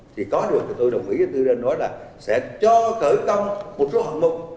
thì có được tôi đồng ý với tư đơn nói là sẽ cho khởi công một số hành mục